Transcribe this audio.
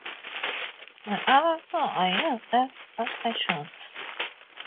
The other two are used as substitutes.